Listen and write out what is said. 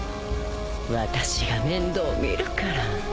私が面倒見るから。